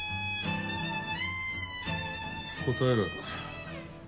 答えろよ。